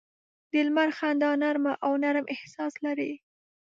د لمر خندا نرمه او نرم احساس لري